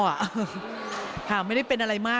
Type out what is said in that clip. จริงแล้วไม่น่าเป็นห่วงเลยค่ะพ่อ